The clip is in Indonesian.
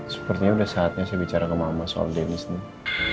sepertinya sudah saatnya saya bicara sama mama soal deniz nih